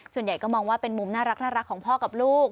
ส่วนใหญ่ก็มองว่าเป็นมุมน่ารักของพ่อกับลูก